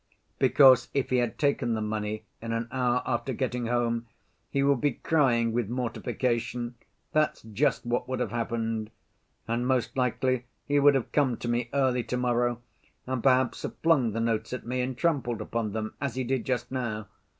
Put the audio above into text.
"Because if he had taken the money, in an hour after getting home, he would be crying with mortification, that's just what would have happened. And most likely he would have come to me early to‐morrow, and perhaps have flung the notes at me and trampled upon them as he did just now.